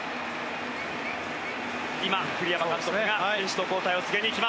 今栗山監督が選手の交代を告げにいきます。